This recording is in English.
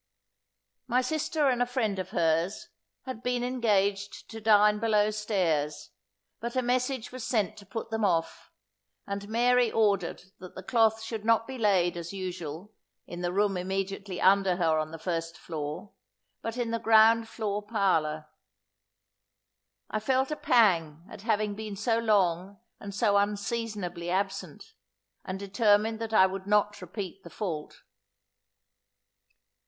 My sister and a friend of hers, had been engaged to dine below stairs, but a message was sent to put them off, and Mary ordered that the cloth should not be laid, as usual, in the room immediately under her on the first floor, but in the ground floor parlour. I felt a pang at having been so long and so unseasonably absent, and determined that I would not repeat the fault.